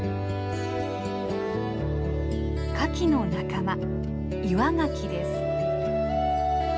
カキの仲間イワガキです。